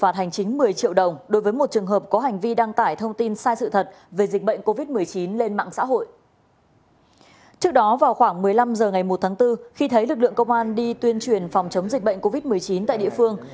trước đó vào khoảng một mươi năm h ngày một tháng bốn khi thấy lực lượng công an đi tuyên truyền phòng chống dịch bệnh covid một mươi chín tại địa phương